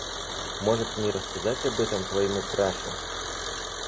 Может мне рассказать об этом твоему крашу?